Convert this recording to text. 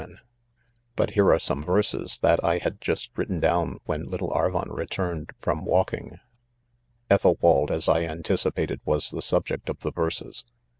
Idonien, "but here are some verses that I tad jjtsst written down, when little Aryan returned .from walking." #°* m . Ethelwald, as I anticipated, was the subject of the' verses.